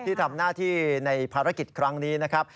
ที่ทำหน้าที่ในภารกิจครั้งนี้นะครับ